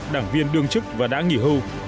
đảng viên đương chức và đảng nghỉ hưu